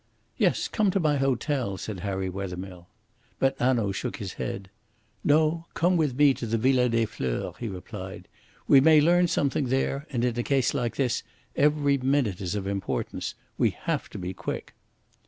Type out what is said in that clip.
"Yes; come to my hotel," said Harry Wethermill. But Hanaud shook his head. "No; come with me to the Villa des Fleurs," he replied. "We may learn something there; and in a case like this every minute is of importance. We have to be quick."